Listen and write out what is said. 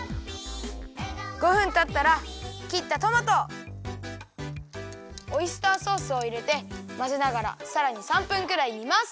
５分たったらきったトマトオイスターソースをいれてまぜながらさらに３分くらいにます。